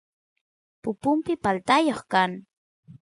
pupumpi paltayoq kan